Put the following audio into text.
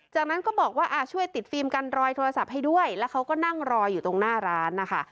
จากนั้นก็บอกว่าช่วยติดฟิล์มกันรอยโทรศัพท์ให้ด้วยแล้วเขาก็นั่งรออยู่ตรงหน้าร้านนะคะ